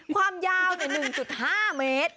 ขวามยาวเนี่ย๑๕เมตร